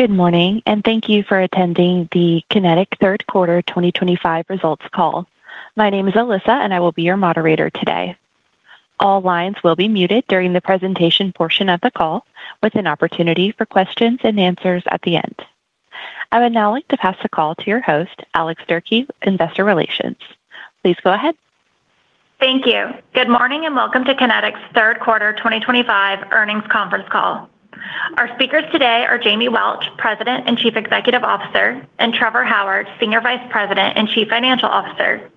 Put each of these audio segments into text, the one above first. Good morning, and thank you for attending the Kinetik Third-Quarter 2025 Results Call. My name is Alyssa, and I will be your moderator today. All lines will be muted during the presentation portion of the call, with an opportunity for questions and answers at the end. I would now like to pass the call to your host, Alex Durkee of Investor Relations. Please go ahead. Thank you. Good morning and welcome to Kinetik's Third-Quarter 2025 Earnings Conference Call. Our speakers today are Jamie Welch, President and Chief Executive Officer, and Trevor Howard, Senior Vice President and Chief Financial Officer.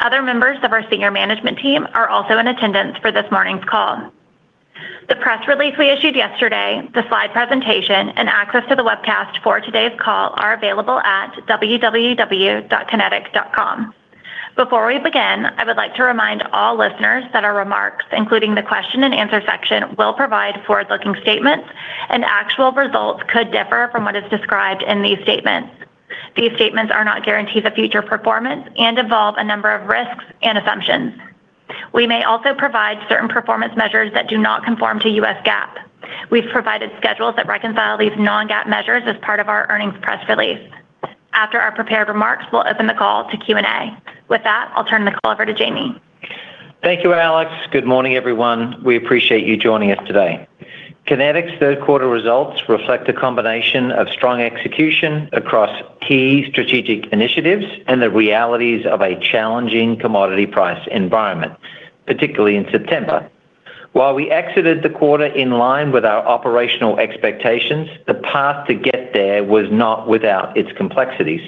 Other members of our senior management team are also in attendance for this morning's call. The press release we issued yesterday, the slide presentation, and access to the webcast for today's call are available at www.kinetik.com. Before we begin, I would like to remind all listeners that our remarks, including the question-and-answer section, will include forward-looking statements, and actual results could differ from what is described in these statements. These statements are not guaranteed for future performance and involve a number of risks and assumptions. We may also provide certain performance measures that do not conform to U.S. GAAP. We've provided schedules that reconcile these non-GAAP measures as part of our earnings press release. After our prepared remarks, we'll open the call to Q&A. With that, I'll turn the call over to Jamie. Thank you, Alex. Good morning, everyone. We appreciate you joining us today. Kinetik's third-quarter results reflect a combination of strong execution across key strategic initiatives and the realities of a challenging commodity price environment, particularly in September. While we exited the quarter in line with our operational expectations, the path to get there was not without its complexities.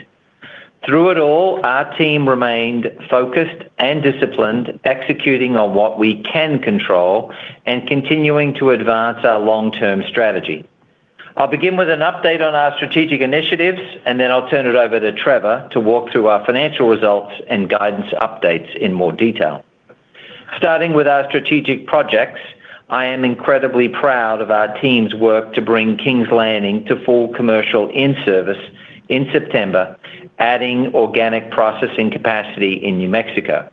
Through it all, our team remained focused and disciplined, executing on what we can control and continuing to advance our long-term strategy. I'll begin with an update on our strategic initiatives, and then I'll turn it over to Trevor to walk through our financial results and guidance updates in more detail. Starting with our strategic projects, I am incredibly proud of our team's work to bring King's Landing to full commercial in-service in September, adding organic processing capacity in New Mexico.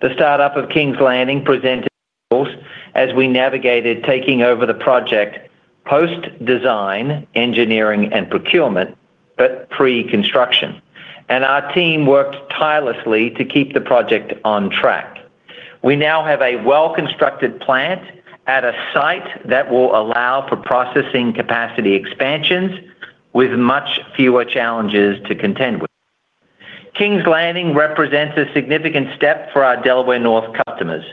The startup of King's Landing presented results as we navigated taking over the project post-design, engineering, and procurement —but pre-construction—and our team worked tirelessly to keep the project on track. We now have a well-constructed plant at a site that will allow for processing capacity expansions with much fewer challenges to contend with. King's Landing represents a significant step for our Delaware North customers.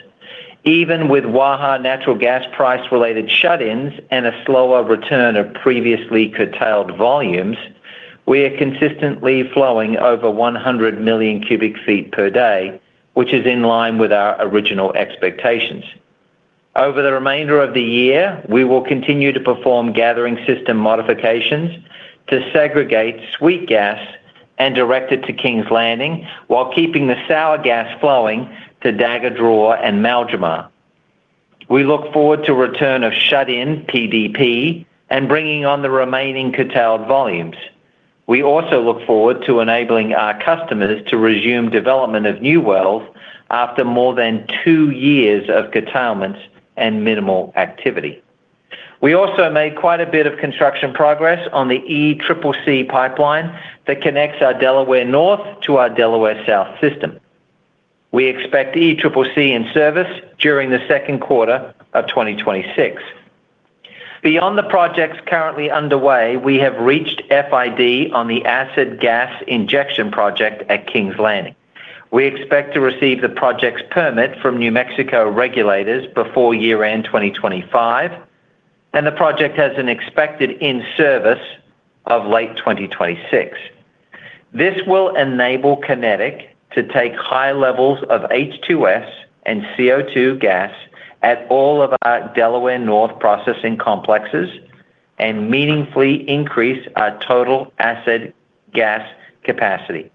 Even with Waha natural-gas price-related shut-ins and a slower return of previously curtailed volumes, we are consistently flowing over 100 million cubic feet per day, which is in line with our original expectations. Over the remainder of the year, we will continue to perform gathering system modifications to segregate sweet gas and direct it to King's Landing while keeping the sour gas flowing to Dagger Draw and Maljamar. We look forward to the return of shut-in PDP and bringing on the remaining curtailed volumes. We also look forward to enabling our customers to resume development of new wells after more than two years of curtailments and minimal activity. We also made quite a bit of construction progress on the ECCC pipeline, which connects our Delaware North to our Delaware South system. We expect ECCC in service during the second quarter of 2026. Beyond the projects currently underway, we have reached final investment decision (FID) on the acid-gas injection (AGI) project at King's Landing. We expect to receive the project's permit from New Mexico regulators before year-end 2025. The project has an expected in-service of late 2026. This will enable Kinetik to take high levels of H₂S and CO₂ gas at all of our Delaware North processing complexes and meaningfully increase our total acid gas capacity.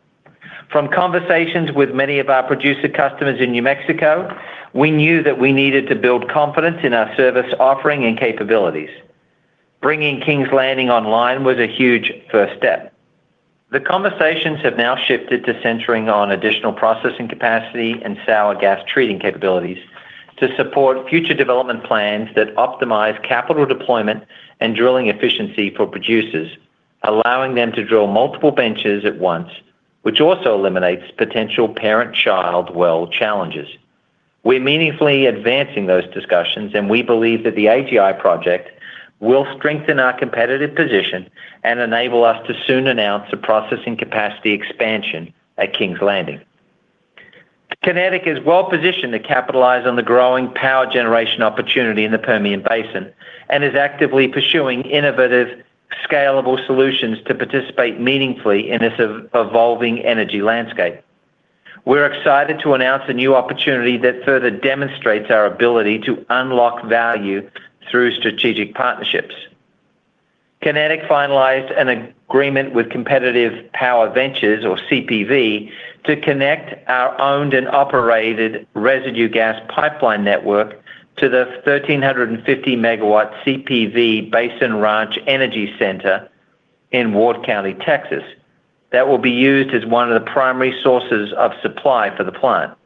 From conversations with many of our producer customers in New Mexico, we knew that we needed to build confidence in our service offering and capabilities. Bringing King's Landing online was a huge first step. The conversations have now shifted to centering on additional processing capacity and sour-gas-treating capabilities to support future development plans that optimize capital deployment and drilling efficiency for producers, allowing them to drill multiple benches at once, which also eliminates potential parent-child well challenges. We're meaningfully advancing those discussions, and we believe that the AGI project will strengthen our competitive position and enable us to soon announce a processing-capacity expansion at King's Landing. Kinetik is well-positioned to capitalize on the growing power-generation opportunity in the Permian Basin and is actively pursuing innovative, scalable solutions to participate meaningfully in this evolving energy landscape. We're excited to announce a new opportunity that further demonstrates our ability to unlock value through strategic partnerships. Kinetik finalized an agreement with Competitive Power Ventures (CPV) to connect our owned and operated residue-gas pipeline network to the 1,350-megawatt CPV Basin Ranch Energy Center in Ward County, Texas. This facility will serve as one of the primary sources of supply for the plant.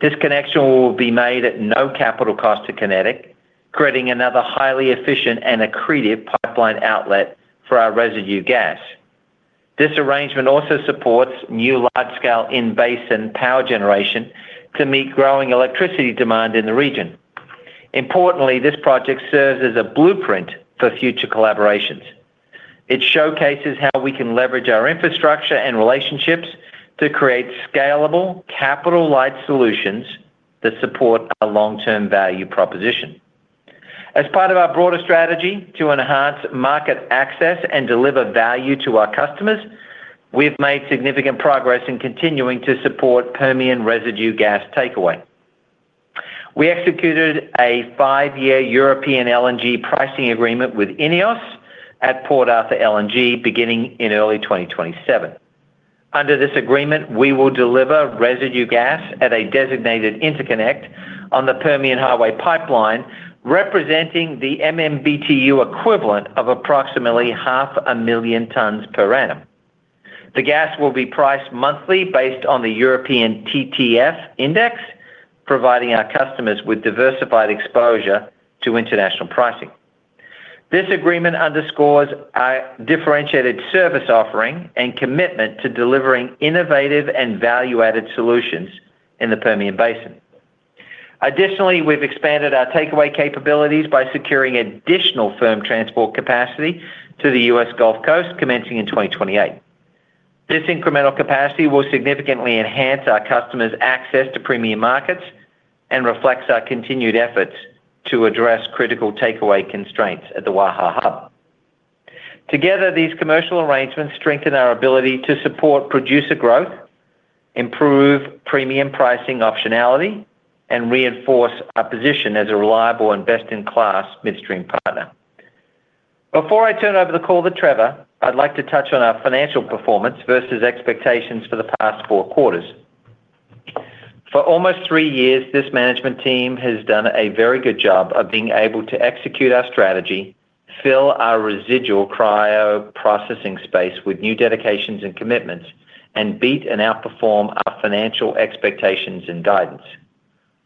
This connection will be made at no capital cost to Kinetik, creating another highly efficient and accretive pipeline outlet for our residue gas. This arrangement also supports new large-scale, in-basin power generation to meet growing electricity demand in the region. Importantly, this project serves as a blueprint for future collaborations, showcasing how we can leverage our infrastructure and relationships to create scalable, capital-light solutions that support our long-term value proposition. As part of our broader strategy to enhance market access and deliver value to our customers, we've made significant progress in continuing to support Permian residue-gas takeaway. We executed a five-year European LNG pricing agreement with INEOS at Port Arthur LNG, beginning in early 2027. Under this agreement, we will deliver residue gas at a designated interconnect on the Permian Highway Pipeline, representing the MMBtu equivalent of approximately 500,000 tons per annum. The gas will be priced monthly based on the European TTF index, providing our customers with diversified exposure to international pricing. This agreement underscores our differentiated service offering and commitment to delivering innovative and value-added solutions in the Permian Basin. Additionally, we've expanded our takeaway capabilities by securing additional firm-transport capacity to the U.S. Gulf Coast, commencing in 2028. This incremental capacity will significantly enhance our customers' access to premium markets and reflects our continued efforts to address critical takeaway constraints at the Waha Hub. Together, these commercial arrangements strengthen our ability to support producer growth, improve premium pricing optionality, and reinforce our position as a reliable and best-in-class midstream partner. Before I turn the call to Trevor, I'd like to touch on our financial performance versus expectations for the past four quarters. For almost three years, this management team has done a very good job of being able to execute our strategy, fill our residual cryo-processing space with new dedications and commitments, and outperforming our financial expectations and guidance.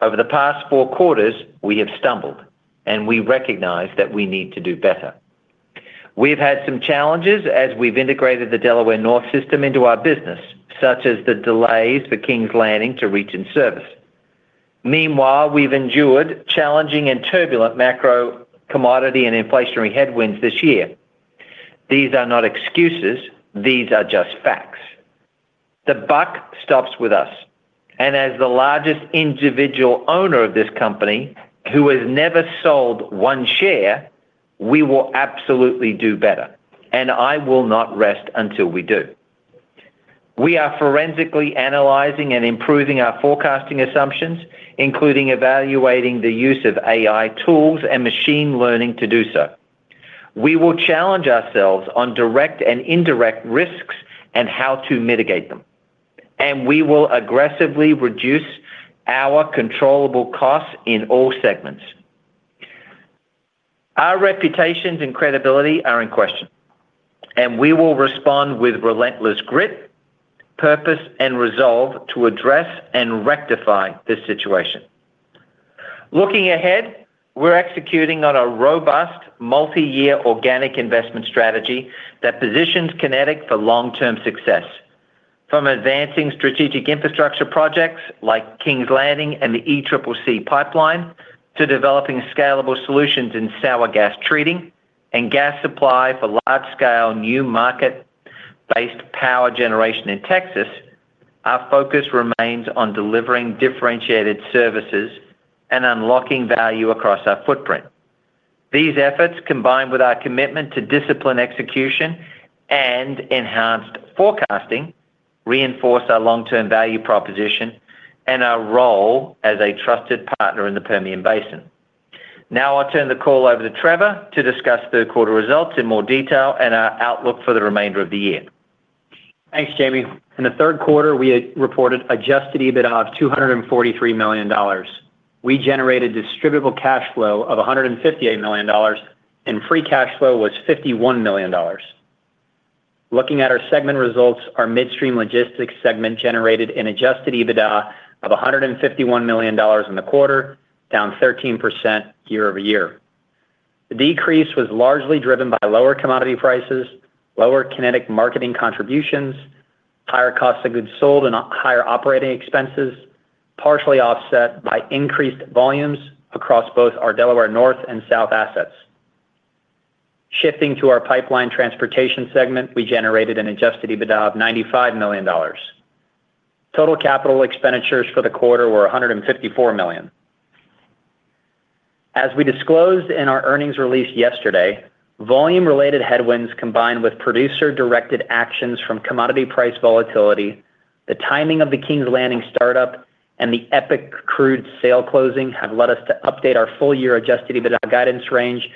Over the past four quarters, we have stumbled, and we recognize that we need to do better. We have had some challenges as we have integrated the Delaware North System into our business, such as the delays for King's Landing to reach in-service. Meanwhile, we have endured challenging and turbulent macro-commodity and inflationary headwinds this year. These are not excuses; these are just facts. The buck stops with us. As the largest individual owner of this company, who has never sold one share, we will absolutely do better, and I will not rest until we do. We are forensically analyzing and improving our forecasting assumptions, including evaluating the use of AI tools and machine learning to do so. We will challenge ourselves on direct and indirect risks and how to mitigate them. We will aggressively reduce our controllable costs in all segments. Our reputations and credibility are in question, and we will respond with relentless grit, purpose, and resolve to address and rectify this situation. Looking ahead, we're executing on a robust multi-year organic investment strategy that positions Kinetik for long-term success. From advancing strategic infrastructure projects like King's Landing and the ECCC Pipeline to developing scalable solutions in sour-gas-treating and gas supply for large-scale new market-based power generation in Texas, our focus remains on delivering differentiated services and unlocking value across our footprint. These efforts, combined with our commitment to disciplined execution and enhanced forecasting, reinforce our long-term value proposition and our role as a trusted partner in the Permian Basin. Now I'll turn the call over to Trevor to discuss third-quarter results in more detail and our outlook for the remainder of the year. Thanks, Jamie. In the third quarter, we reported adjusted EBITDA of $243 million. We generated distributable cash flow (DCF) of $158 million, and free cash flow (FCF) was $51 million. Looking at our segment results, our midstream logistics segment generated an adjusted EBITDA of $151 million in the quarter, down 13% year-over-year. The decrease was largely driven by lower commodity prices, lower Kinetik marketing contributions, higher cost of goods sold, and higher operating expenses, partially offset by increased volumes across both our Delaware North and South assets. Shifting to our Pipeline Transportation segment, we generated an adjusted EBITDA of $95 million. Total capital expenditures for the quarter were $154 million. As we disclosed in our earnings release yesterday, volume-related headwinds, combined with producer-directed actions from commodity price volatility, the timing of the King's Landing startup, and the EPIC Crude sale closing have led us to update our full-year adjusted EBITDA guidance range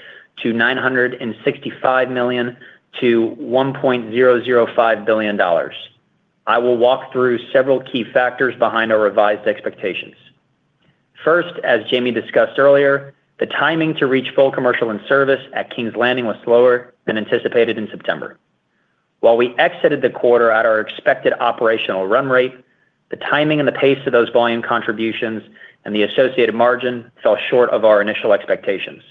to $965 million to $1 .005 billion. I will walk through several key factors behind our revised expectations. First, as Jamie discussed earlier, the timing to reach full commercial in-service at King's Landing was slower than anticipated in September. While we exited the quarter at our expected operational run rate, the timing and the pace of those volume contributions and the associated margin fell short of our initial expectations.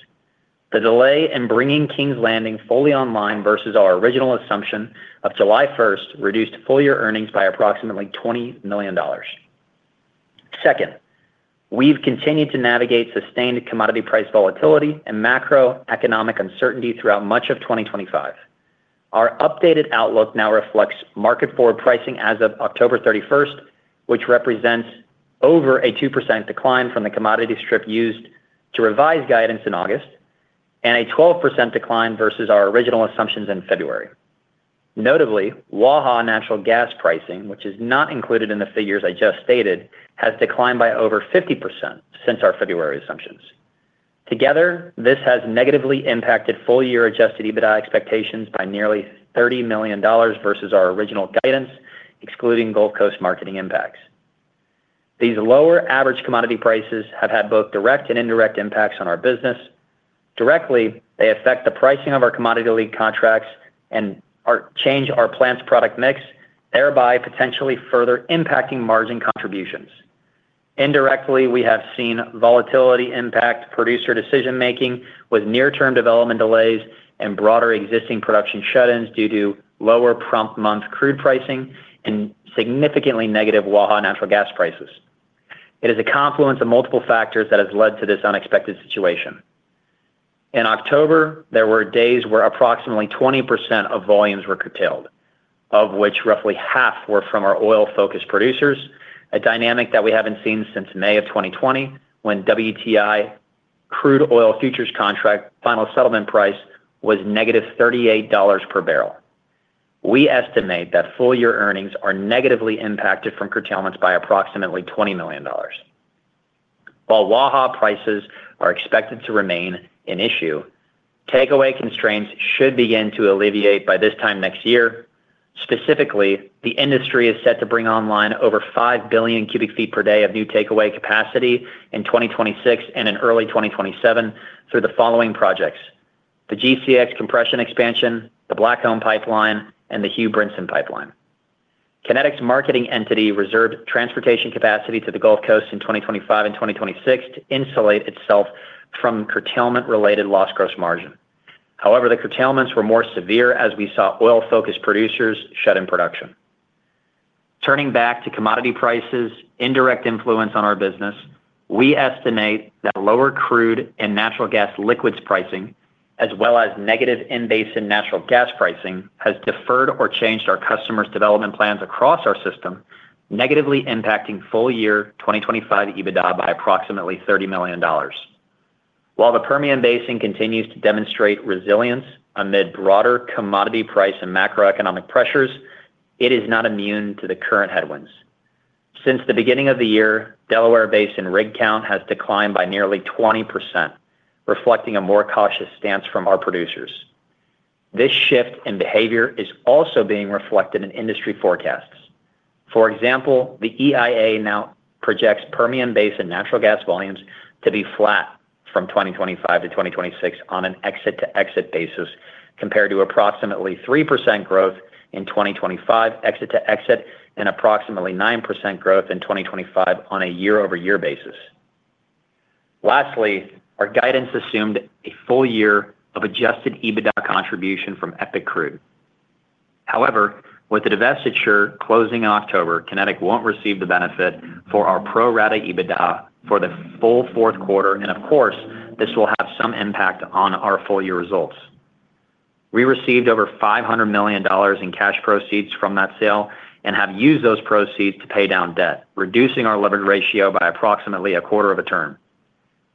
The delay in bringing King's Landing fully online versus our original assumption of July 1 reduced full-year earnings by approximately $20 million. Second, we have continued to navigate sustained commodity-price volatility and macroeconomic uncertainty throughout much of 2025. Our updated outlook now reflects market forward pricing as of October 31, which represents over a 2% decline from the commodity strip used to revise guidance in August and a 12% decline versus our original assumptions in February. Notably, Waha natural-gas pricing, which is not included in the figures I just stated, has declined by over 50% since our February assumptions. Together, this has negatively impacted full-year adjusted EBITDA expectations by nearly $30 million versus our original guidance, excluding Gulf Coast marketing impacts. These lower average commodity prices have had both direct and indirect impacts on our business. Directly, they affect the pricing of our commodity lead contracts and change our plant's product mix, thereby potentially further impacting margin contributions. Indirectly, we have seen volatility impact producer decision-making with near-term development delays and broader existing production shut-ins due to lower prompt month crude pricing and significantly negative Waha natural-gas prices. It is a confluence of multiple factors that has led to this unexpected situation. In October, there were days where approximately 20% of volumes were curtailed, of which roughly half were from our oil-focused producer, a dynamic that we have not seen since May of 2020 when WTI crude-oil futures contract final settlement price was negative $38 per barrel. We estimate that full-year earnings are negatively impacted from curtailments by approximately $20 million. While Waha prices are expected to remain an issue, takeaway constraints should begin to alleviate by this time next year. Specifically, the industry is set to bring online over 5 billion cubic feet per day of new takeaway capacity in 2026 and in early 2027 through the following projects: the GCX Compression Expansion, the Blackcomb Pipeline, and the Hugh Brinson Pipeline. Kinetik's marketing entity reserved transportation capacity to the Gulf Coast in 2025 and 2026 to insulate itself from curtailment-related lost gross margin. However, the curtailments were more severe as we saw oil-focused producers shut in production. Turning back to commodity prices, indirect influence on our business, we estimate that lower crude and natural gas liquids pricing, as well as negative in-basin natural-gas pricing, has deferred or changed our customers' development plans across our system, negatively impacting full-year 2025 EBITDA by approximately $30 million. While the Permian Basin continues to demonstrate resilience amid broader commodity price and macroeconomic pressures, it is not immune to the current headwinds. Since the beginning of the year, Delaware Basin rig count has declined by nearly 20%, reflecting a more cautious stance from our producers. This shift in behavior is also being reflected in industry forecasts. For example, the U.S. Energy Information Administration (EIA) now projects Permian Basin natural gas volumes to be flat from 2025 to 2026 on an exit-to-exit basis, compared to approximately 3% growth in 2025 exit-to-exit and approximately 9% growth in 2025 on a year-over-year basis. Lastly, our guidance assumed a full year of adjusted EBITDA contribution from EPIC Crude. However, with the divestiture closing in October, Kinetik will not receive the benefit for our pro-rata EBITDA for the full fourth quarter, and of course, this will have some impact on our full-year results. We received over $500 million in cash proceeds from that sale and have used those proceeds to pay down debt, reducing our leverage ratio by approximately one-quarter of a turn.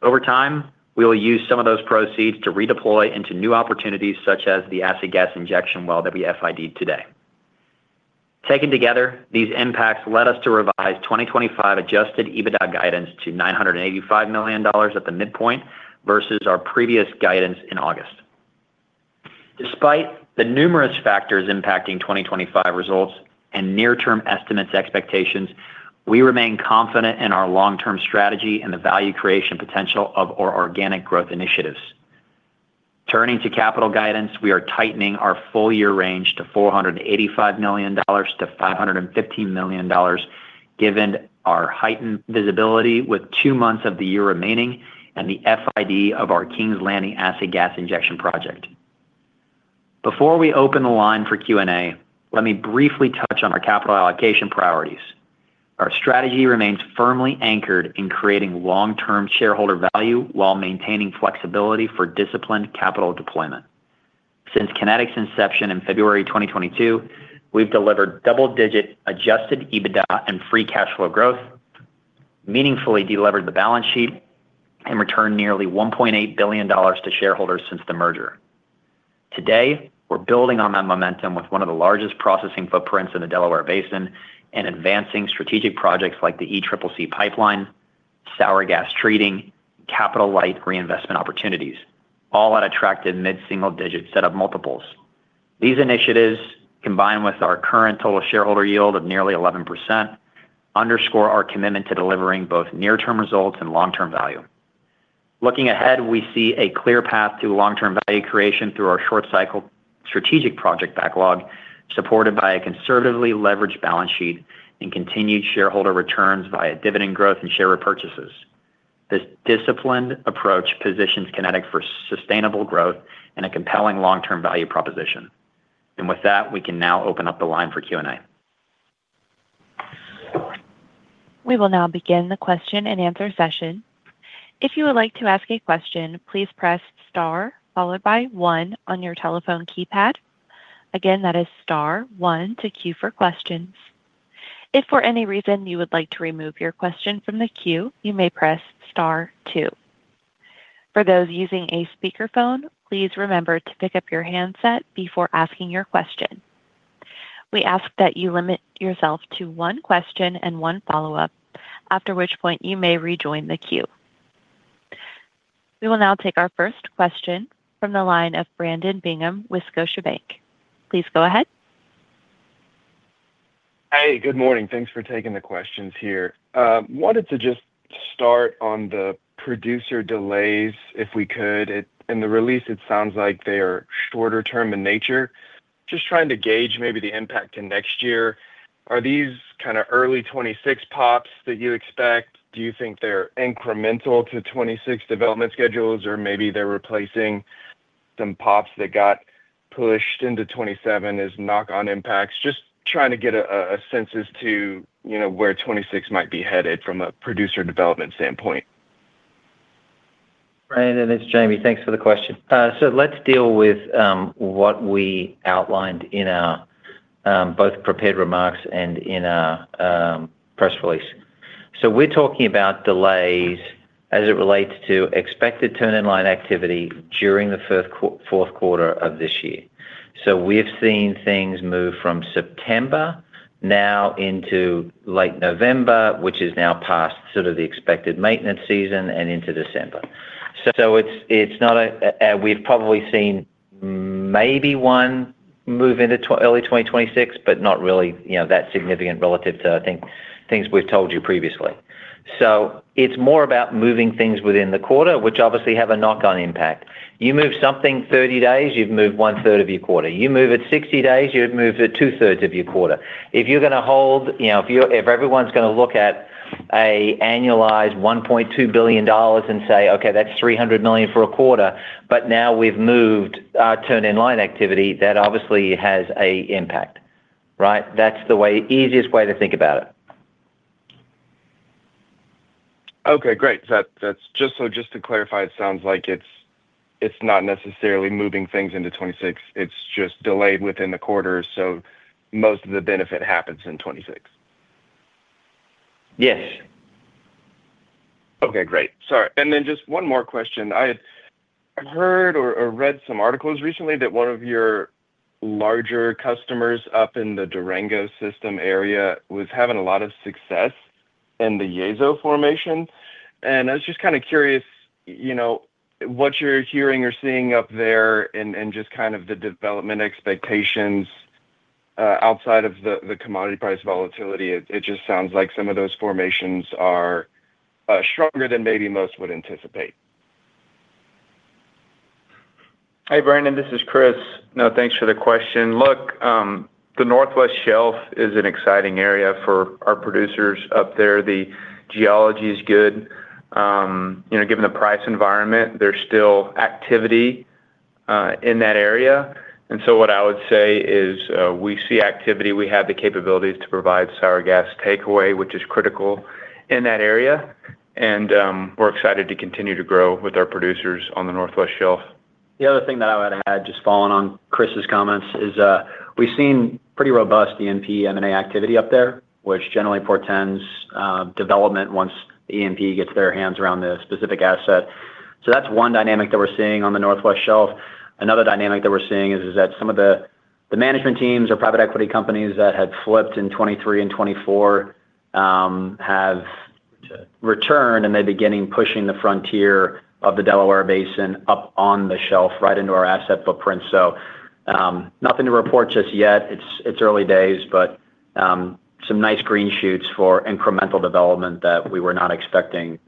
Over time, we will use some of those proceeds to redeploy into new opportunities such as the acid-gas-injection well that we FID'd today. Taken together, these impacts led us to revise 2025 adjusted EBITDA guidance to $985 million at the midpoint, versus our previous guidance in August. Despite the numerous factors impacting 2025 results and near-term estimates expectations, we remain confident in our long-term strategy and the value creation potential of our organic growth initiatives. Turning to capital guidance, we are tightening our full-year range to $485 million to $515 million, given our heightened visibility with two months of the year remaining and the FID of our King's Landing acid-gas-injection project. Before we open the line for Q&A, let me briefly touch on our capital-allocation priorities. Our strategy remains firmly anchored in creating long-term shareholder value while maintaining flexibility for disciplined capital deployment. Since Kinetik's inception in February 2022, we've delivered double-digit adjusted EBITDA and free-cash-flow growth. Meaningfully delevered the balance sheet and returned nearly $1.8 billion to shareholders since the merger. Today, we're building on that momentum with one of the largest processing footprints in the Delaware Basin and advancing strategic projects like the ECCC Pipeline, sour gas treating, and capital-light reinvestment opportunities, all at attractive mid-single-digit setup multiples. These initiatives, combined with our current total shareholder yield of nearly 11%—underscore our commitment to delivering both near-term results and long-term value. Looking ahead, we see a clear path to long-term value creation through our short-cycle strategic-project backlog, supported by a conservatively leveraged balance sheet and continued shareholder returns via dividend growth and share repurchases. This disciplined approach positions Kinetik for sustainable growth and a compelling long-term value proposition. With that, we can now open up the line for Q&A. We will now begin the question-and-answer (Q&A) session. If you would like to ask a question, please press star, followed by one on your telephone keypad. Again, that is star one to queue for questions. If for any reason you would like to remove your question from the queue, you may press star two. For those using a speakerphone, please remember to pick up your handset before asking your question. We ask that you limit yourself to one question and one follow-up, after which point you may rejoin the queue. We will now take our first question from the line of Brandon B. Bingham, Wisconsin Bank. Please go ahead. Hey, good morning. Thanks for taking the questions here. I wanted to just start on the producer delays, if we could. In the release, it sounds like they are shorter-term in nature. Just trying to gauge maybe the impact in next year. Are these kind of early-2026 "pops" that you expect? Do you think they're incremental to 2026 development schedules, or maybe they're replacing some "pops" that got pushed into 2027 as knock-on impacts? Just trying to get a sense as to where 2026 might be headed from a producer-development standpoint. Brandon, it's Jamie. Thanks for the question. Let's deal with what we outlined in both prepared remarks and in our press release. We're talking about delays as it relates to expected turn-in-line activity during the fourth quarter of this year. We've seen things move from September now into late November, which is now past sort of the expected maintenance season, and into December. We've probably seen maybe one move into early 2026, but not really that significant relative to, I think, things we've told you previously. It's more about moving things within the quarter, which obviously have a knock-on impact. You move something 30 days, you've moved one-third of your quarter. You move it 60 days, you've moved two-thirds of your quarter. If you're going to hold, if everyone's going to look at. An annualized $1 .2 billion and say, "Okay, that's $300 million for a quarter," but now we've moved our turn-in line activity, that obviously has an impact. Right? That's the easiest way to think about it. Okay, great. Just to clarify, it sounds like it is not necessarily moving things into 2026. It is just delayed within the quarter, so most of the benefit happens in 2026. Yes. Okay, great. Sorry. And then just one more question. I heard or read some articles recently that one of your larger customers up in the Durango System area was having a lot of success in the Yazo formation. I was just kind of curious what you're hearing or seeing up there and just kind of the development expectations. Outside of the commodity price volatility, it just sounds like some of those formations are stronger than maybe most would anticipate. Hey, Brandon, this is Chris. No, thanks for the question. Look, the Northwest Shelf is an exciting area for our producers up there. The geology is good. Given the price environment, there's still activity in that area. What I would say is we see activity. We have the capabilities to provide sour-gas takeaway, which is critical in that area. We're excited to continue to grow with our producers on the northwest shelf. The other thing that I would add, just following on Chris's comments, is we've seen pretty robust E&P M&A activity up there, which generally portends development once the E&P gets their hands around the specific asset. That is one dynamic that we're seeing on the Northwest Shelf. Another dynamic that we're seeing is that some of the management teams or private equity companies that had flipped in 2023 and 2024 have returned, and they're beginning pushing the frontier of the Delaware Basin up on the shelf right into our asset footprint. Nothing to report just yet. It's early days, but some nice green shoots for incremental development that we were not expecting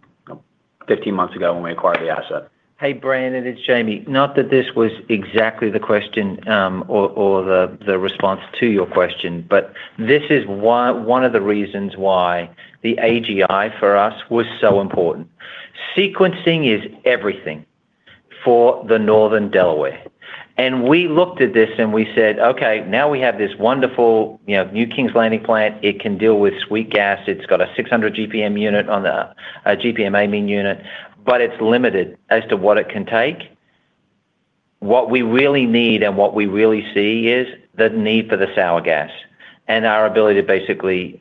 15 months ago when we acquired the asset. Hey, Brandon, it's Jamie. Not that this was exactly the question. Or the response to your question, but this is one of the reasons why the AGI for us was so important. Sequencing is everything for the Northern Delaware. We looked at this and we said, "Okay, now we have this wonderful new King's Landing plant. It can deal with sweet gas. It has a 600-GPM unit, a GPM amine unit, but it is limited as to what it can take." What we really need and what we really see is the need for the sour gas and our ability to basically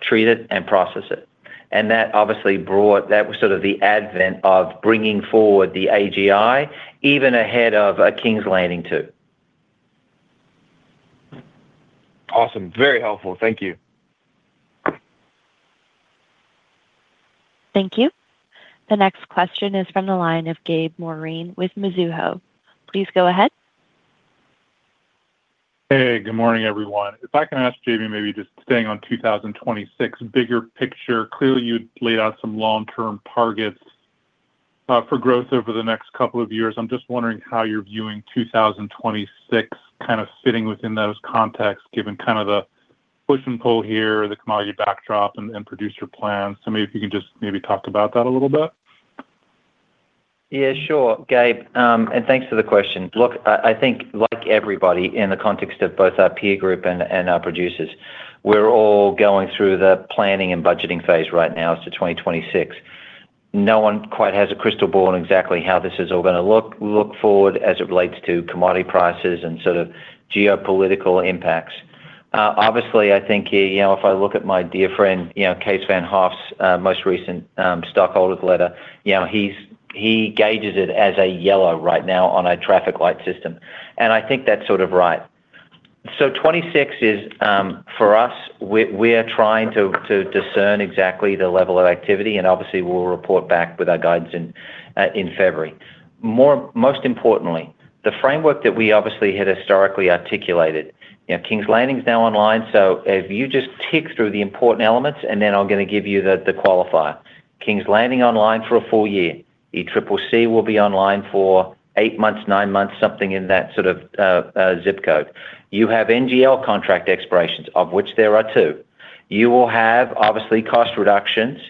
treat it and process it. That obviously brought, that was sort of the advent of bringing forward the AGI, even ahead of a King's Landing two. Awesome. Very helpful. Thank you. Thank you. The next question is from the line of Gabe Maureen with Mizuho. Please go ahead. Hey, good morning, everyone. If I can ask Jamie, maybe just staying on 2026, bigger picture, clearly you laid out some long-term targets for growth over the next couple of years. I'm just wondering how you're viewing 2026 kind of fitting within those contexts, given kind of the push and pull here, the commodity backdrop, and producer plans. Maybe if you can just maybe talk about that a little bit. Yeah, sure. Gabe—and thanks for the question. Look, I think like everybody in the context of both our peer group and our producers, we're all going through the planning and budgeting phase right now as to 2026. No one quite has a crystal ball on exactly how this is all going to look forward as it relates to commodity prices and sort of geopolitical impacts. Obviously, I think if I look at my dear friend Case Van Hoff's most recent stockholders letter, he gauges it as a "yellow" right now on a traffic light system. I think that's sort of right. '26 is, for us, we're trying to discern exactly the level of activity, and obviously, we'll report back with our guidance in February. Most importantly, the framework that we obviously had historically articulated—King's Landing's now online. If you just tick through the important elements, and then I'm going to give you the qualifier—King's Landing online for a full year. ECCC will be online for eight months, nine months, something in that sort of zip code. You have NGL contract expirations, of which there are two. You will have obviously cost reductions.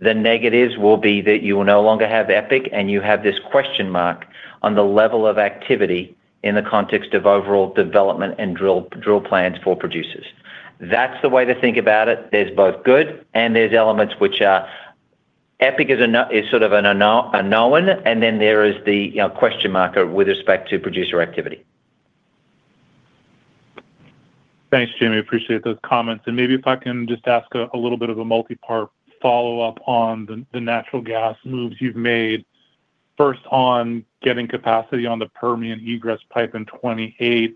The negatives will be that you will no longer have Epic, and you have this question mark on the level of activity in the context of overall development and drill plans for producers. That's the way to think about it. There's both good, and there's elements which are... Epic is sort of a known, and then there is the question marker with respect to producer activity. Thanks, Jamie. Appreciate those comments. Maybe if I can just ask a little bit of a multi-part follow-up on the natural gas moves you've made. First on getting capacity on the Permian egress pipe in 2028.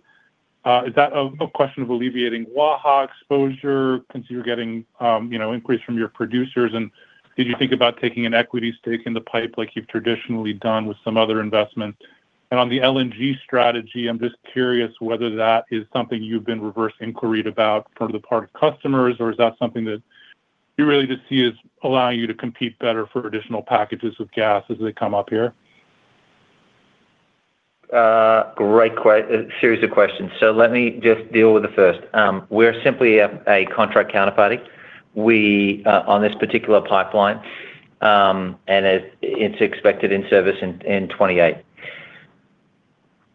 Is that a question of alleviating Waha exposure? Consider getting an increase from your producers? Did you think about taking an equity stake in the pipe like you've traditionally done with some other investments? On the LNG strategy, I'm just curious whether that is something you've been reverse inquiry about from the part of customers, or is that something that you really just see as allowing you to compete better for additional packages of gas as they come up here? Great series of questions. Let me just deal with the first. We're simply a contract counterparty on this particular pipeline, and it's expected in service in 2028.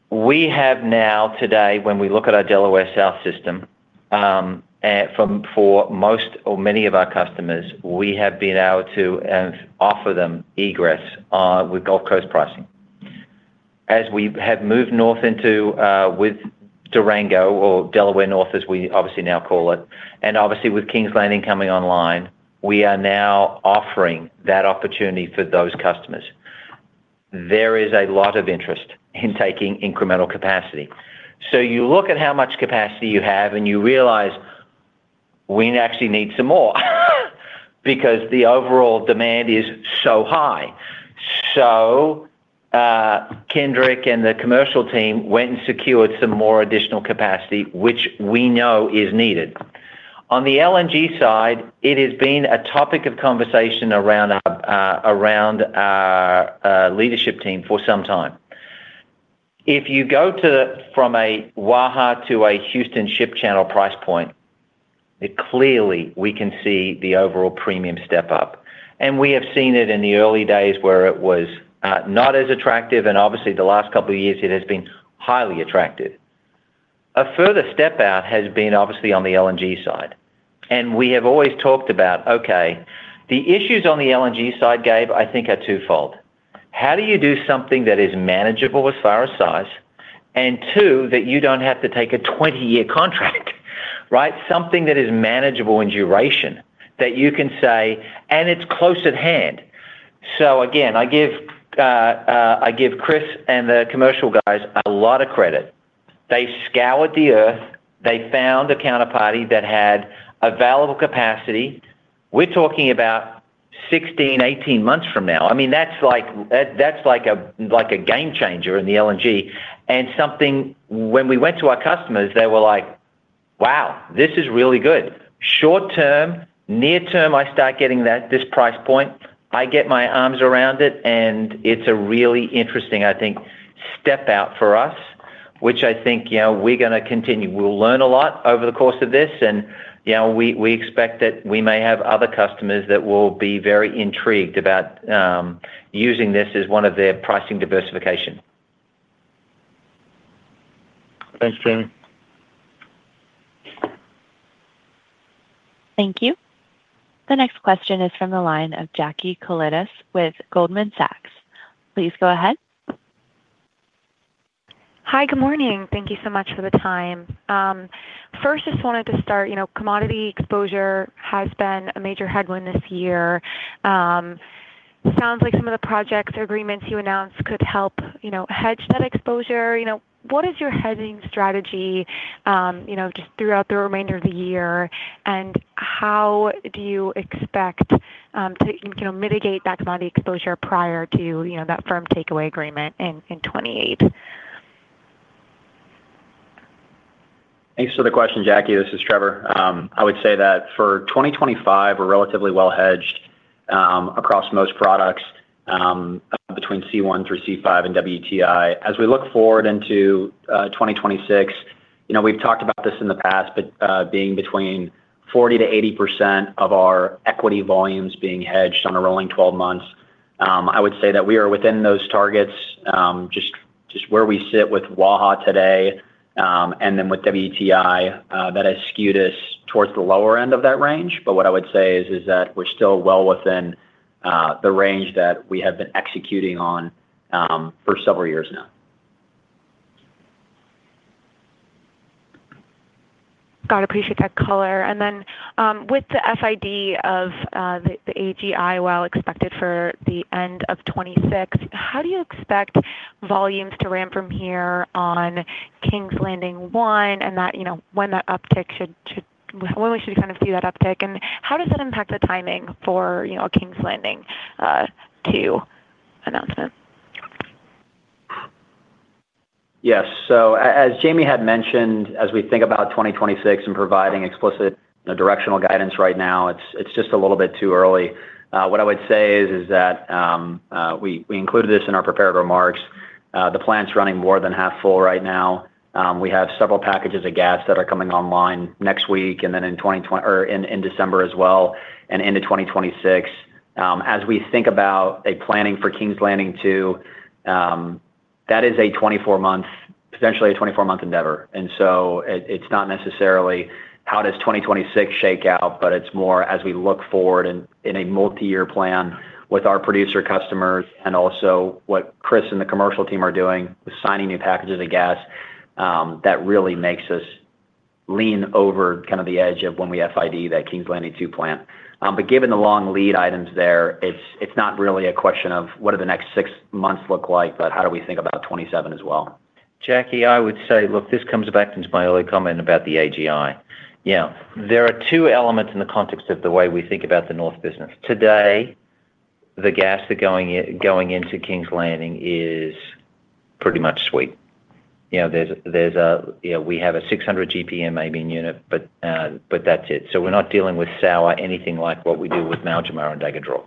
We have now, today, when we look at our Delaware South system, for most or many of our customers, we have been able to offer them egress with Gulf Coast pricing. As we have moved north into Delaware North, as we obviously now call it, and obviously with King's Landing coming online, we are now offering that opportunity for those customers. There is a lot of interest in taking incremental capacity. You look at how much capacity you have, and you realize we actually need some more because the overall demand is so high. Kendrick and the commercial team went and secured some more additional capacity, which we know is needed. On the LNG side, it has been a topic of conversation around our leadership team for some time. If you go from a Waha to a Houston Ship Channel price point, clearly, we can see the overall premium step up. We have seen it in the early days where it was not as attractive, and obviously, the last couple of years it has been highly attractive. A further step out has been obviously on the LNG side. We have always talked about, okay, the issues on the LNG side, Gabe, I think are twofold. How do you do something that is manageable as far as size? Two, that you do not have to take a 20-year contract, right? Something that is manageable in duration that you can say, and it is close at hand. Again, I give Chris and the commercial guys a lot of credit. They scoured the earth. They found a counterparty that had available capacity. We're talking about 16 to 18 months from now. I mean, that's like a game changer in the LNG. And something when we went to our customers, they were like, "Wow, this is really good." Short term, near term, I start getting this price point. I get my arms around it, and it's a really interesting, I think, step out for us, which I think we're going to continue. We'll learn a lot over the course of this, and we expect that we may have other customers that will be very intrigued about using this as one of their pricing-diversification. Thanks, Jamie. Thank you. The next question is from the line of Jacqueline Koletas with Goldman Sachs. Please go ahead. Hi, good morning. Thank you so much for the time. First, just wanted to start, commodity exposure has been a major headwind this year. Sounds like some of the projects or agreements you announced could help hedge that exposure. What is your hedging strategy? Just throughout the remainder of the year, and how do you expect to mitigate that commodity exposure prior to that firm takeaway agreement in 2028? Thanks for the question, Jackie. This is Trevor. I would say that for 2025, we're relatively well hedged across most products, between C1 through C5 and WTI. As we look forward into 2026, we've talked about this in the past, but being between 40-80% of our equity volumes being hedged on a rolling 12 months, I would say that we are within those targets, just where we sit with Waha today. With WTI, that has skewed us towards the lower end of that range. What I would say is that we're still well within the range that we have been executing on for several years now. Got to appreciate that color. With the FID of the AGI, while expected for the end of 2026, how do you expect volumes to ramp from here on King's Landing 1 and when that uptick should, when we should kind of see that uptick? How does that impact the timing for a King's Landing II announcement? Yes. As Jamie had mentioned, as we think about 2026 and providing explicit directional guidance right now, it's just a little bit too early. What I would say is that we included this in our prepared remarks. The plant's running more than half full right now. We have several packages of gas that are coming online next week and then in December as well and into 2026. As we think about planning for King's Landing II, that is a 24-month, potentially a 24-month endeavor. It's not necessarily how does 2026 shake out, but it's more as we look forward in a multi-year plan with our producer customers and also what Chris and the commercial team are doing with signing new packages of gas. That really makes us lean over kind of the edge of when we FID that King's Landing II plant. Given the long lead items there, it's not really a question of what do the next six months look like, but how do we think about 2027 as well? Jackie, I would say, look, this comes back to my early comment about the AGI. Yeah. There are two elements in the context of the way we think about the North business. Today, the gas that's going into King's Landing is pretty much sweet. We have a 600-GPM amine unit, but that's it. So we're not dealing with sour anything like what we do with Maljamar and Dagger Draw.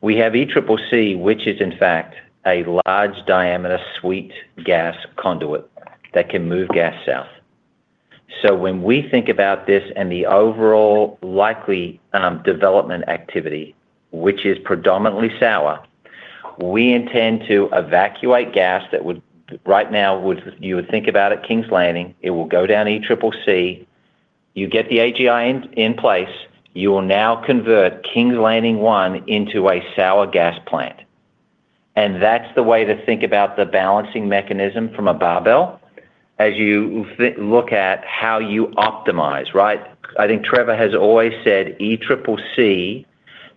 We have ECCC, which is in fact a large diameter sweet gas conduit that can move gas south. When we think about this and the overall likely development activity, which is predominantly sour, we intend to evacuate gas that would, right now, you would think about it, King's Landing, it will go down ECCC. You get the AGI in place, you will now convert King's Landing 1 into a sour-gas plant. That is the way to think about the balancing mechanism from a barbell as you look at how you optimize, right? I think Trevor has always said ECCC,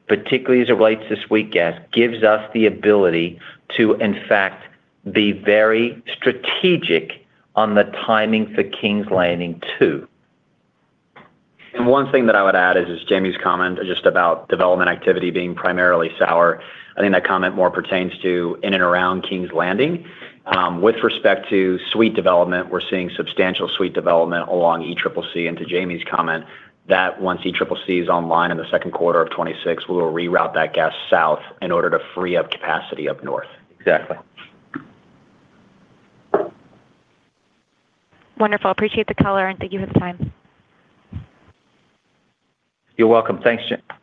particularly as it relates to sweet gas, gives us the ability to, in fact, be very strategic on the timing for King's Landing II. One thing that I would add is Jamie's comment just about development activity being primarily sour. I think that comment more pertains to in and around King's Landing. With respect to sweet development, we're seeing substantial sweet development along ECCC, and to Jamie's comment, that once ECCC is online in the second quarter of 2026, we will reroute that gas south in order to free up capacity up north. Exactly. Wonderful. Appreciate the color, and thank you for the time. You're welcome. Thanks, Jacqueline.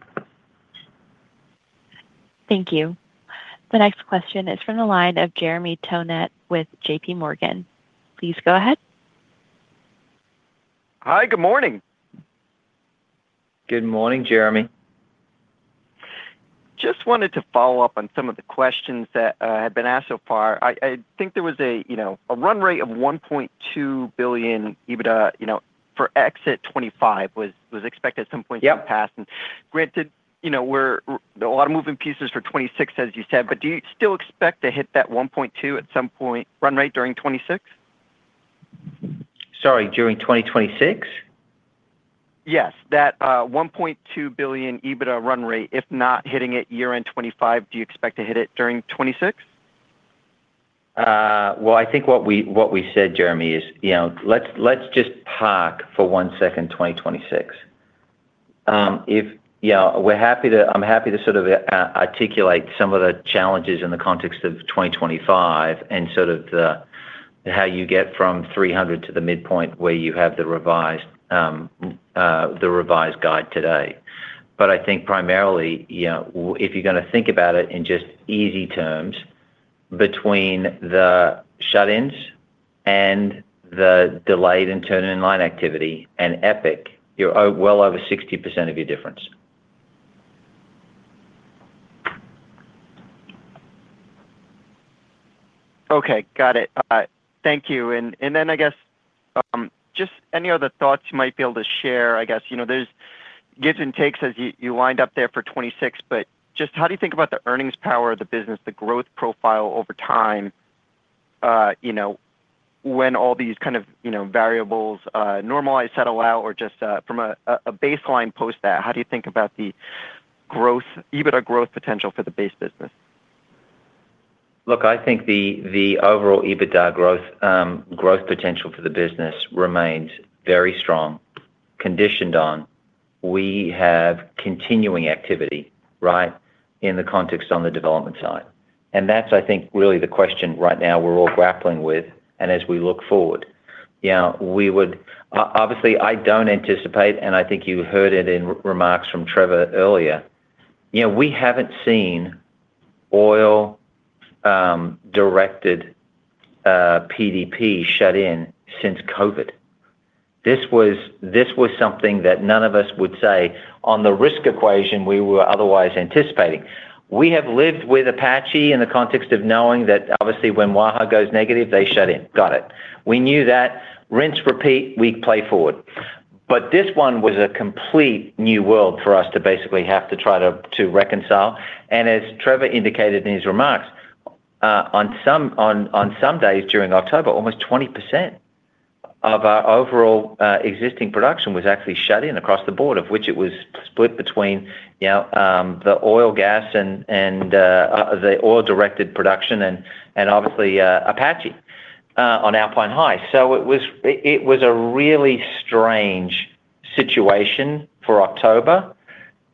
Thank you. The next question is from the line of Jeremy Bryan Tonet with JPMorgan Chase & Co. Please go ahead. Hi, good morning. Good morning, Jeremy. Just wanted to follow up on some of the questions that had been asked so far. I think there was a run rate of $1.2 billion EBITDA for exit 2025 was expected at some point in the past. Granted, there are a lot of moving pieces for 2026, as you said, but do you still expect to hit that $1.2 billion at some point run rate during 2026? Sorry, during 2026? Yes. That $1 .2 billion EBITDA run rate, if not hitting it year-end 2025, do you expect to hit it during 2026? I think what we said, Jeremy, is let's just park for one second 2026. If we're happy to, I'm happy to sort of articulate some of the challenges in the context of 2025 and sort of how you get from 300 to the midpoint where you have the revised guide today. I think primarily, if you're going to think about it in just easy terms—between the shut-ins and the delayed and turn-in line activity and Epic—you're well over 60% of your difference. Okay. Got it. Thank you. I guess just any other thoughts you might be able to share? I guess there is give and take as you wind up there for 2026, but just how do you think about the earnings power of the business, the growth profile over time. When all these kind of variables normalize, settle out, or just from a baseline post that, how do you think about the EBITDA growth potential for the base business? Look, I think the overall EBITDA growth potential for the business remains very strong—conditioned on. We have continuing activity, right, in the context on the development side. That is, I think, really the question right now we're all grappling with, and as we look forward. Obviously, I do not anticipate, and I think you heard it in remarks from Trevor earlier, we have not seen oil-directed PDP shut-ins since COVID. This was something that none of us would say on the risk equation we were otherwise anticipating. We have lived with Apache in the context of knowing that obviously when Waha goes negative, they shut in. Got it. We knew that. Rinse repeat, we play forward. This one was a complete new world for us to basically have to try to reconcile. As Trevor indicated in his remarks, on some days during October, almost 20%. Of our overall existing production was actually shut in across the board, of which it was split between the oil gas and the oil-directed production and obviously Apache on Alpine High. It was a really strange situation for October.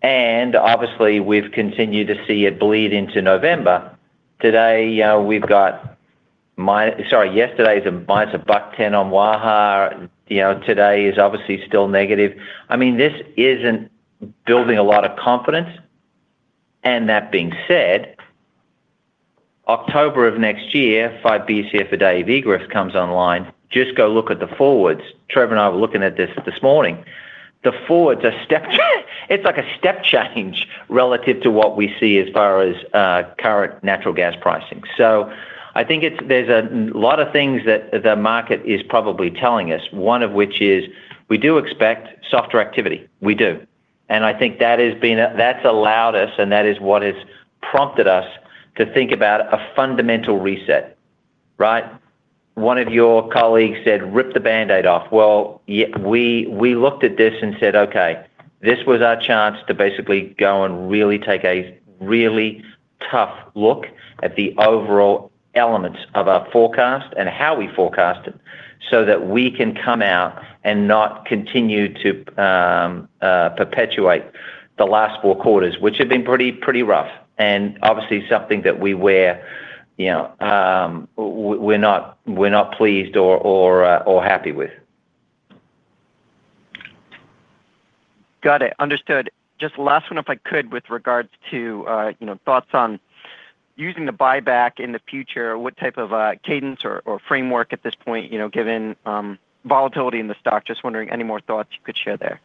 Obviously, we have continued to see it bleed into November. Yesterday was a buck ten ($1 .10) on Waha. Today is obviously still negative. I mean, this is not building a lot of confidence. That being said, October of next year, if IBCF-A Dave Egreth comes online, just go look at the forwards —Trevor and I were looking at this this morning. The forwards are step, it is like a step change relative to what we see as far as current natural gas pricing. I think there are a lot of things that the market is probably telling us, one of which is we do expect softer activity. We do. I think that has been, that's allowed us, and that is what has prompted us to think about a fundamental reset, right? One of your colleagues said, "Rip the Band-Aid off." We looked at this and said, "Okay, this was our chance to basically go and really take a really tough look at the overall elements of our forecast and how we forecast it so that we can come out and not continue to perpetuate the last four quarters," which have been pretty rough. Obviously, something that we wear. We're not pleased or happy with. Got it. Understood. Just the last one, if I could, with regards to thoughts on using the buyback in the future, what type of cadence or framework at this point, given volatility in the stock? Just wondering any more thoughts you could share there.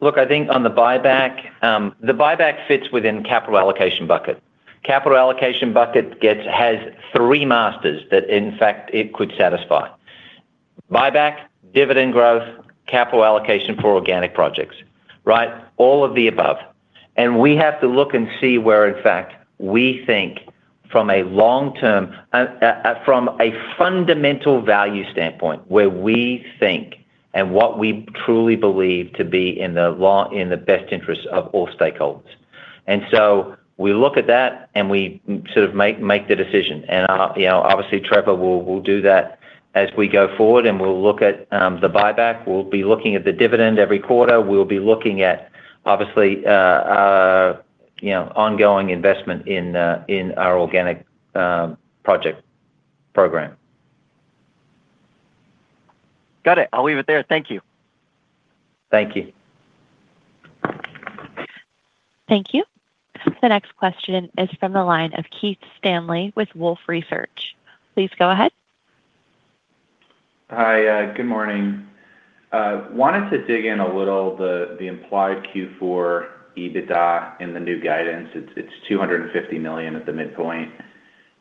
Look, I think on the buyback, the buyback fits within capital allocation bucket. Capital allocation bucket has three masters that, in fact, it could satisfy: buybacks, dividend growth, and capital allocation for organic projects—right? All of the above. We have to look and see where, in fact, we think from a long-term, from a fundamental value standpoint, where we think and what we truly believe to be in the best interests of all stakeholders. We look at that and we sort of make the decision. Obviously, Trevor and I we'll do that as we go forward, and we'll look at the buyback. We'll be looking at the dividend every quarter. We'll be looking at, obviously, ongoing investment in our organic-project program. Got it. I'll leave it there. Thank you. Thank you. Thank you. The next question is from the line of Keith T. Stanley with Wolfe Research LLC. Please go ahead. Hi, good morning. Wanted to dig in a little, the implied Q4 EBITDA in the new guidance, it's $250 million at the midpoint.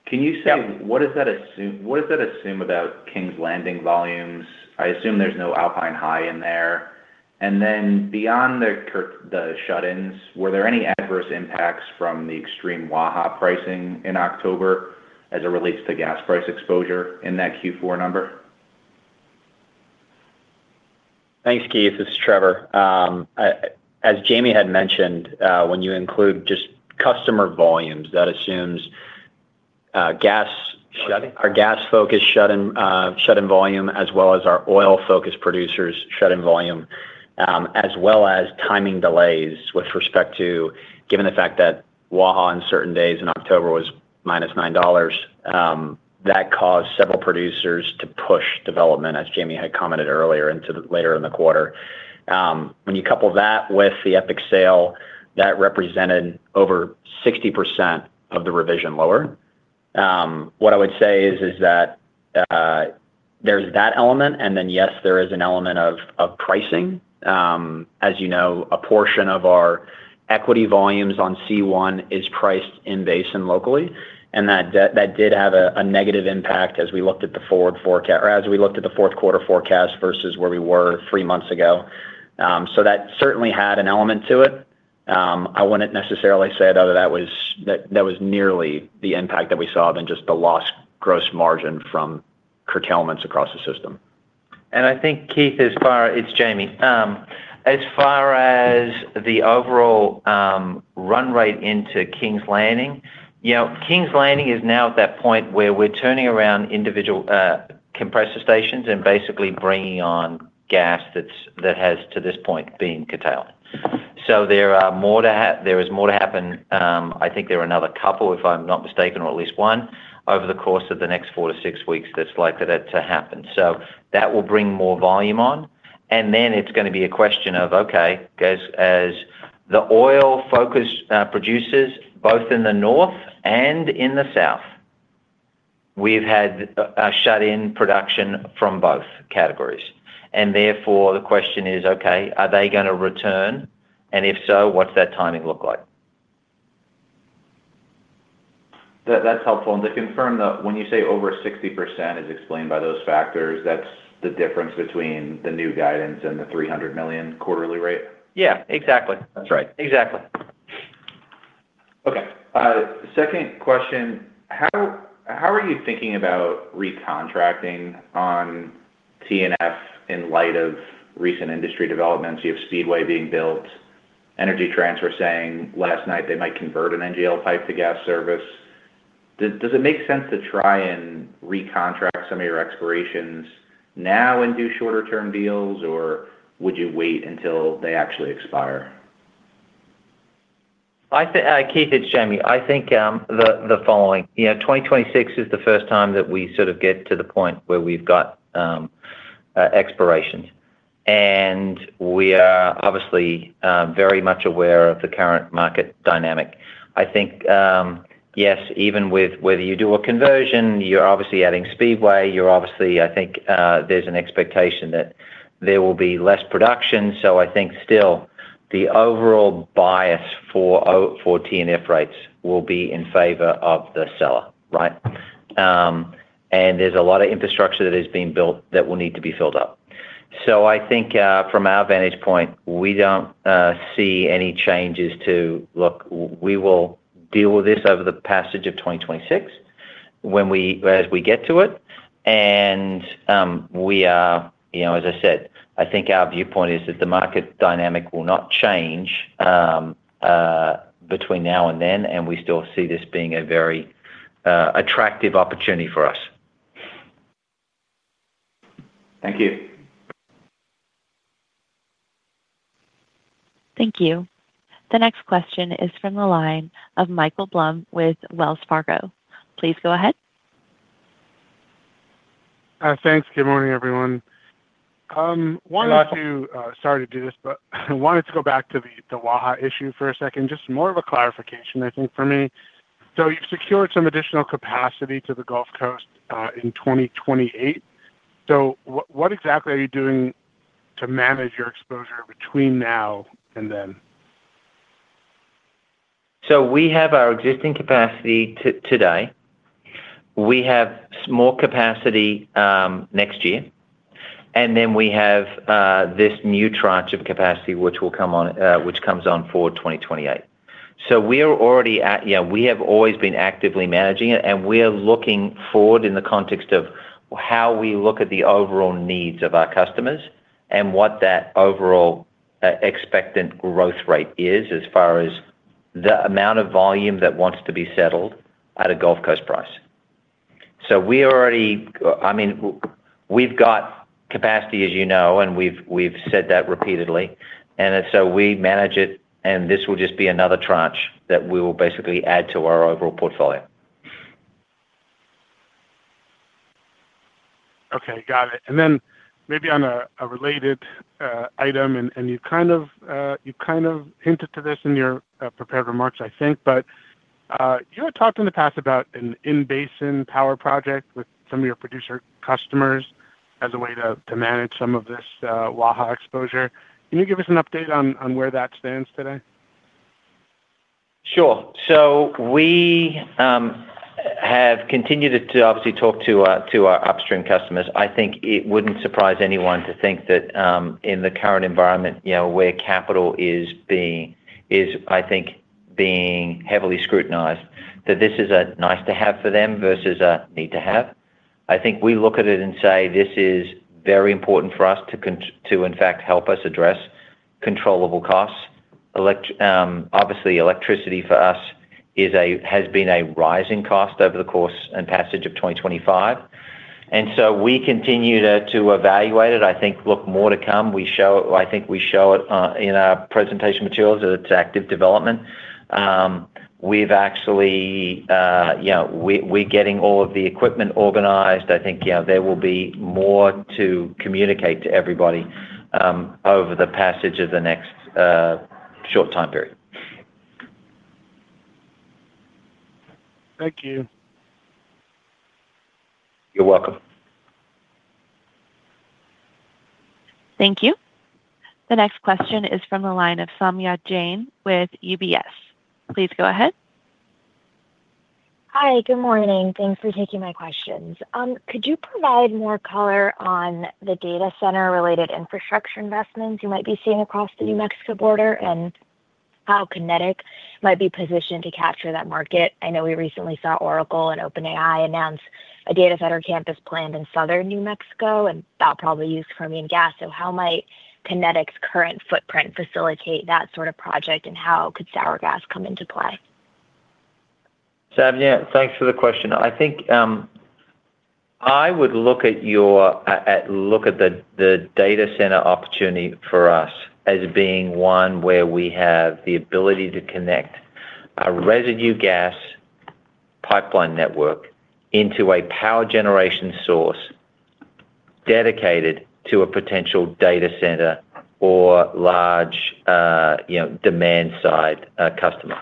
Can you say what does that assume about King's Landing volumes? I assume there's no Alpine High in there. Beyond the shut-ins, were there any adverse impacts from the extreme Waha pricing in October as it relates to gas price exposure in that Q4 number? Thanks, Keith. This is Trevor. As Jamie had mentioned, when you include just customer volumes, that assumes gas shutting, our gas-focused shutting volume, as well as our oil-focused producers' shutting volume, as well as timing delays with respect to given the fact that Waha on certain days in October was -$9. That caused several producers to push development, as Jamie had commented earlier, into later in the quarter. When you couple that with the Epic sale, that represented over 60% of the revision lower. What I would say is that there's that element, and then yes, there is an element of pricing. As you know, a portion of our equity volumes on C1 is priced in basin locally, and that did have a negative impact as we looked at the forward forecast or as we looked at the fourth quarter forecast versus where we were three months ago. That certainly had an element to it. I would not necessarily say that that was nearly the impact that we saw than just the lost gross margin from curtailments across the system. I think, Keith, as far as Jamie, as far as the overall run rate into King's Landing, King's Landing is now at that point where we are turning around compressor stations and basically bringing on gas that has, to this point, been curtailed. There is more to happen. I think there are another couple, if I am not mistaken, or at least one over the course of the next four to six weeks that is likely to happen. That will bring more volume on. Then it is going to be a question of, okay, as the oil-focused producers, both in the north and in the south, we have had a shut-in production from both categories. Therefore, the question is, okay, are they going to return? If so, what's that timing look like? That's helpful. And to confirm that when you say over 60% is explained by those factors, that's the difference between the new guidance and the $300 million quarterly rate? Yeah, exactly. That's right. Exactly. Okay. Second question. How are you thinking about recontracting on T&F in light of recent industry developments? You have Speedway being built, Energy Transfer saying last night they might convert an NGL pipe to gas service. Does it make sense to try and recontract some of your expirations now and do shorter-term deals, or would you wait until they actually expire? Keith, it's Jamie. I think the following. 2026 is the first time that we sort of get to the point where we've got expirations. And we are obviously very much aware of the current market dynamic. I think yes, even with whether you do a conversion, you're obviously adding Speedway. You're obviously, I think there's an expectation that there will be less production. I think still the overall bias for T&F rates will be in favor of the seller, right? There is a lot of infrastructure that is being built that will need to be filled up. I think from our vantage point, we don't see any changes to, look, we will deal with this over the passage of 2026 as we get to it. As I said, I think our viewpoint is that the market dynamic will not change between now and then, we still see this being a very attractive opportunity for us. Thank you. Thank you. The next question is from the line of Michael Jacob Blum with Wells Fargo. Please go ahead. Thanks. Good morning, everyone. I wanted to—sorry to do this—but I wanted to go back to the Waha issue for a second, just more of a clarification, I think, for me. You have secured some additional capacity to the Gulf Coast in 2028. What exactly are you doing to manage your exposure between now and then? We have our existing capacity today. We have more capacity next year. We have this new tranche of capacity, which will come on, which comes on for 2028. We are already at—yeah, we have always been actively managing it, and we are looking forward in the context of how we look at the overall needs of our customers and what that overall expectant growth rate is as far as the amount of volume that wants to be settled at a Gulf Coast price. We already—I mean, we have got capacity, as you know, and we have said that repeatedly. We manage it, and this will just be another tranche that we will basically add to our overall portfolio. Okay. Got it. Maybe on a related item, you kind of hinted to this in your prepared remarks, I think, but you had talked in the past about an in-basin power project with some of your producer customers as a way to manage some of this Waha exposure. Can you give us an update on where that stands today? Sure. We have continued to obviously talk to our upstream customers. I think it would not surprise anyone to think that in the current environment where capital is, I think, being heavily scrutinized, that this is a nice-to-have for them versus a need-to-have. I think we look at it and say this is very important for us to, in fact, help us address controllable costs. Obviously, electricity for us has been a rising cost over the course and passage of 2025. We continue to evaluate it. I think, look, more to come. I think we show it in our presentation materials that it is active development. We are actually getting all of the equipment organized. I think there will be more to communicate to everybody over the passage of the next short time period. Thank you. You're welcome. Thank you. The next question is from the line of Saumya Jain with UBS. Please go ahead. Hi, good morning. Thanks for taking my questions. Could you provide more color on the data center-related infrastructure investments you might be seeing across the New Mexico border and how Kinetik might be positioned to capture that market? I know we recently saw Oracle and OpenAI announce a data center campus planned in southern New Mexico, and that'll probably use chromium gas. How might Kinetik's current footprint facilitate that sort of project, and how could sour gas come into play? Samyad, thanks for the question. I think I would look at the data center opportunity for us as being one where we have the ability to connect our residue gas pipeline network into a power generation source dedicated to a potential data center or large demand-side customer.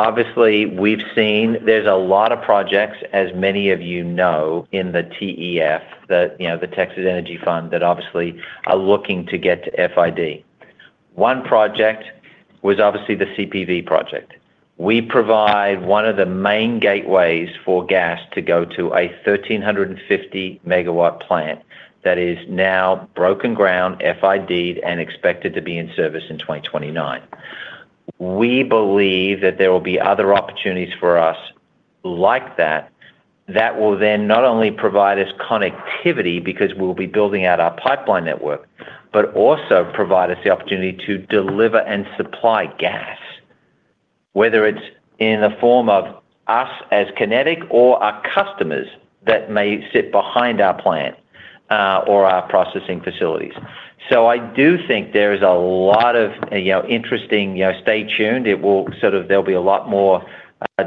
Obviously, we've seen there's a lot of projects, as many of you know, in the TEF, the Texas Energy Fund, that obviously are looking to get to FID. One project was obviously the CPV project. We provide one of the main gateways for gas to go to a 1,350-megawatt plant that is now broken ground, FID, and expected to be in service in 2029. We believe that there will be other opportunities for us like that, that will then not only provide us connectivity because we'll be building out our pipeline network, but also provide us the opportunity to deliver and supply gas. Whether it's in the form of us as Kinetik or our customers that may sit behind our plant or our processing facilities. I do think there is a lot of interesting stay tuned. It will sort of—there'll be a lot more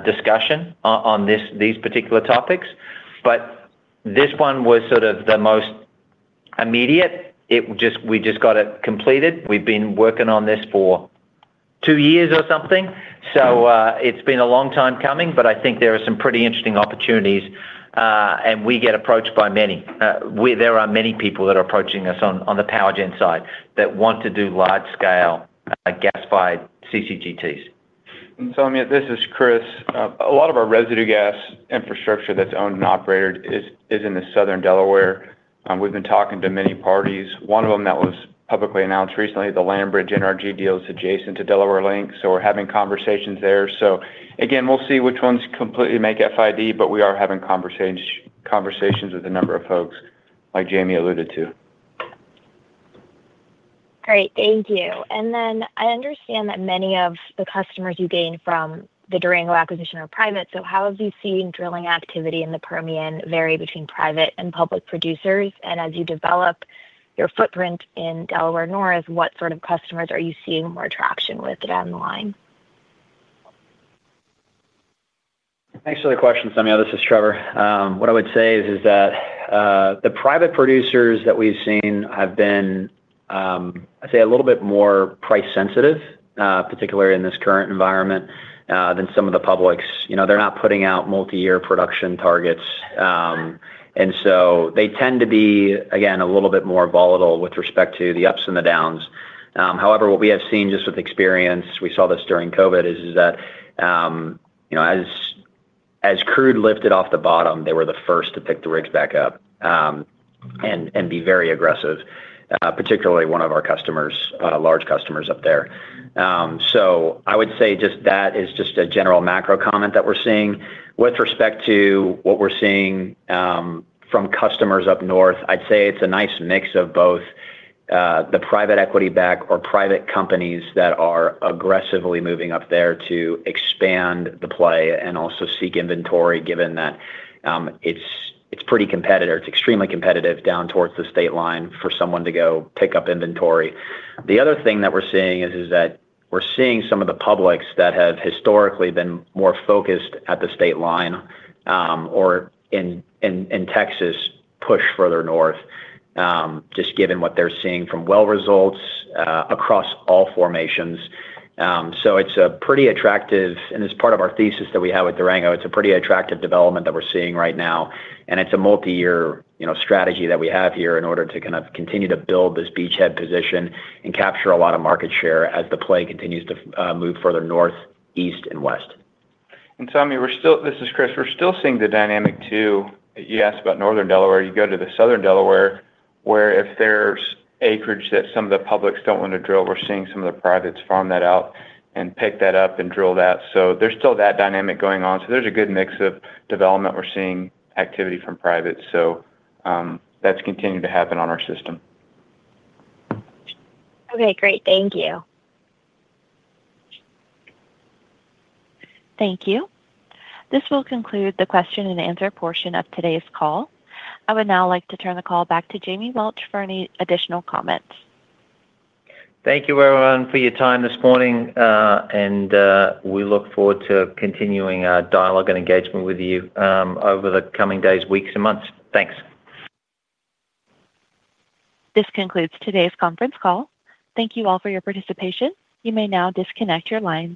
discussion on these particular topics. This one was sort of the most immediate. We just got it completed. We've been working on this for two years or something. It's been a long time coming, but I think there are some pretty interesting opportunities. We get approached by many. There are many people that are approaching us on the power gen side that want to do large-scale gas-fired CCGTs. Samyad, this is Chris. A lot of our residue gas infrastructure that's owned and operated is in the southern Delaware. We've been talking to many parties. One of them that was publicly announced recently, the Land Bridge NRG deal, is adjacent to Delaware Link. We're having conversations there. Again, we'll see which ones completely make FID, but we are having conversations with a number of folks like Jamie alluded to. Great. Thank you. I understand that many of the customers you gain from the Durango acquisition are private. How have you seen drilling activity in the Permian vary between private and public producers? As you develop your footprint in Delaware North, what sort of customers are you seeing more traction with down the line? Thanks for the question, Saumya. This is Trevor. What I would say is that the private producers that we've seen have been, I'd say, a little bit more price-sensitive, particularly in this current environment, than some of the publics. They're not putting out multi-year production targets. They tend to be, again, a little bit more volatile with respect to the ups and the downs. However, what we have seen just with experience—we saw this during COVID—is that as crude lifted off the bottom, they were the first to pick the rigs back up and be very aggressive, particularly one of our large customers up there. I would say just that is just a general macro comment that we're seeing. With respect to what we're seeing from customers up north, I'd say it's a nice mix of both. The private-equity-backed or private companies that are aggressively moving up there to expand the play and also seek inventory, given that. It's pretty competitive. It's extremely competitive down towards the state line for someone to go pick up inventory. The other thing that we're seeing is that we're seeing some of the publics that have historically been more focused at the state line or in Texas push further north, just given what they're seeing from well results across all formations. It's a pretty attractive, and it's part of our thesis that we have with Durango, it's a pretty attractive development that we're seeing right now. It's a multi-year strategy that we have here in order to kind of continue to build this beachhead position and capture a lot of market share as the play continues to move further north, east, and west. Samyad, this is Chris. We're still seeing the dynamic too. You asked about northern Delaware. You go to the southern Delaware, where if there's acreage that some of the publics don't want to drill, we're seeing some of the privates farm that out and pick that up and drill that. There's still that dynamic going on. There's a good mix of development. We're seeing activity from private. That's continuing to happen on our system. Okay. Great. Thank you. Thank you. This will conclude the question-and-answer portion of today's call. I would now like to turn the call back to Jamie Welch for any additional comments. Thank you, everyone, for your time this morning. We look forward to continuing our dialogue and engagement with you over the coming days, weeks, and months. Thanks. This concludes today's conference call. Thank you all for your participation. You may now disconnect your lines.